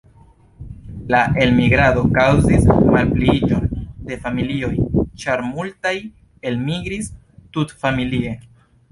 La elmigrado kaŭzis malpliiĝon de familioj, ĉar multaj elmigris tutfamilie.